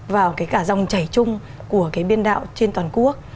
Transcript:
vào cái cả dòng chảy chung của cái biên đạo trên toàn quốc